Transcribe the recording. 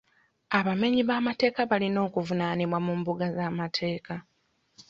Abamenyi b'amateeka balina okuvunaanibwa mu mbuga z'amateeka.